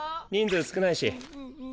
人数少ないし。